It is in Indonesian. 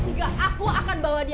enggak aku akan bawa dia